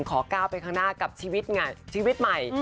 ขอก้าวไปข้างหน้ากับชีวิตใหม่